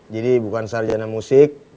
jadi bukan sarjana musik